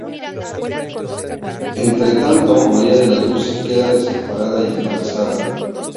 Entretanto, María de la Luz, queda desamparada y embarazada.